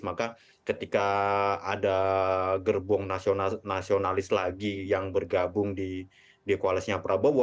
maka ketika ada gerbong nasionalis lagi yang bergabung di koalisnya prabowo